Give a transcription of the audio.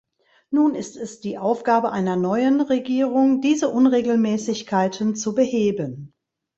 Nun ist es die Aufgabe einer neuen Regierung, diese Unregelmäßigkeiten zu beheben.